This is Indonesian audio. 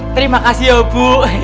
terima kasih ya bu